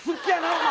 お前。